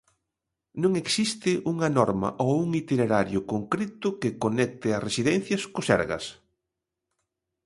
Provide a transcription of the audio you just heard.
Non existe unha norma ou un itinerario concreto que conecte as residencias co Sergas.